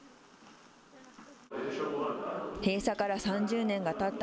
閉鎖から３０年がたった